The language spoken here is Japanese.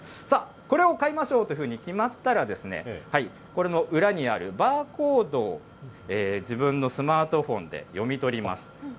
さあ、これを買いましょうというふうに決まったら、これの裏にあるバーコードを、自分のスマートフォンで読み取ります。